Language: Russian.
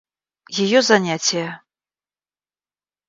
Ее занятия.